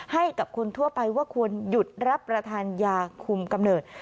ให้กับคนทั่วไปว่าควรหยุดรับประทานยาคุมกำเนิด